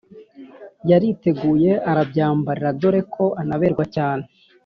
yariteguye arabyambarira dore ko anaberwa cyane